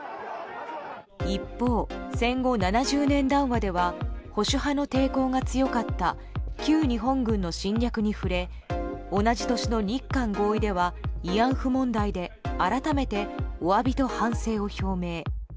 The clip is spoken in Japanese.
一方、戦後７０年談話では保守派の抵抗が強かった旧日本軍の侵略に触れ同じ年の日韓合意では慰安婦問題で、改めてお詫びと反省を表明。